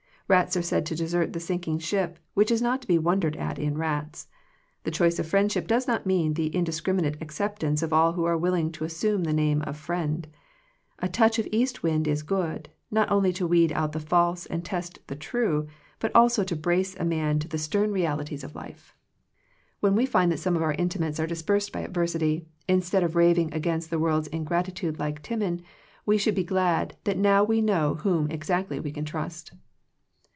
Rats are said to desert the sinking ship, which is not to be wondered at in rats. The choice of friendship does not mean the indiscriminate acceptance of all who are willing to assume the name of friend. A touch of east wind is good, not only to weed out the false and test the true, but also to brace a man to the stern reali 98 Digitized by VjOOQIC THE CHOICE OF FRIENDSHIP ties of life. When we find that some of our intimates are dispersed by adversity, instead of raving against the world's in gratitude like Timon, we should be glad that now we know whom exactly we can trust.